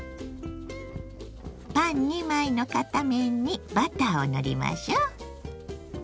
パン２枚の片面にバターを塗りましょう。